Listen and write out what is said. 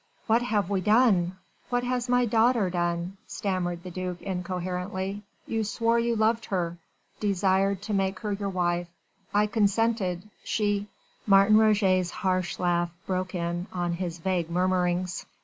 what have we done?... what has my daughter done?..." stammered the duc incoherently. "You swore you loved her ... desired to make her your wife ... I consented ... she...." Martin Roget's harsh laugh broke in on his vague murmurings.